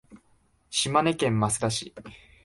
島根県益田市